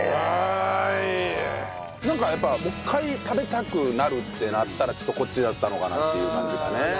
なんかやっぱもう一回食べたくなるってなったらちょっとこっちだったのかなっていう感じかね。